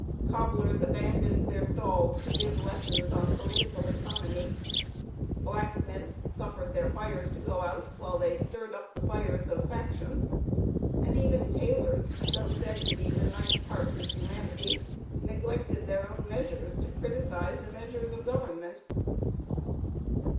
Cobblers abandoned their stalls to give lessons on political economy; blacksmiths suffered their fires to go out, while they stirred up the fires of faction; and even tailors, though said to be the ninth parts of humanity, neglected their own measures to criticise the measures of government.